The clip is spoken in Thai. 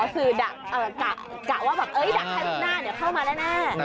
อ๋อสื่อดักกะว่าแบบดักแค่หนึ่งหน้าเดี๋ยวเข้ามาแล้วแน่